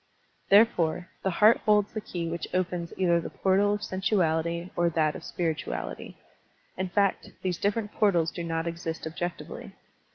Therefore, the heart holds the key which opens either the portal of sensuality or that of spir ituality. In fact, these different portals do not exist objectively.